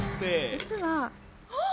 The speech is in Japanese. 実は。